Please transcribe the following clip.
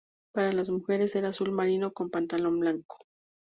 Para las mujeres era azul marino con pantalón blanco.